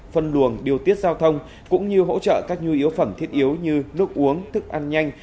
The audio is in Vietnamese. phân luồng điều tiết giao thông cũng như hỗ trợ các nhu yếu phẩm thiết yếu như nước uống thức ăn nhanh